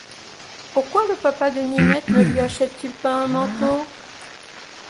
Pourquoi le papa de Ninette ne lui achète-t-il pas un manteau ?